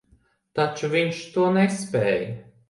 Taču viņš to nespēj.